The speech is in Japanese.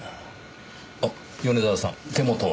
あっ米沢さん手元を。